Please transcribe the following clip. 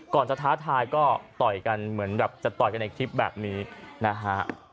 จะท้าทายก็ต่อยกันเหมือนแบบจะต่อยกันในคลิปแบบนี้นะฮะ